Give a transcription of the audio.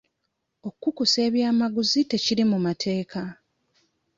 Okukusa ebyamaguzi tekiri mu mateeka.